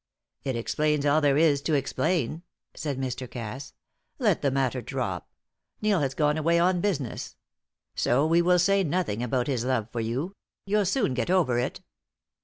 "It explains all there is to explain," said Mr. Cass. "Let the matter drop now. Neil has gone away on business; so we will say nothing about his love for you. You'll soon get over it."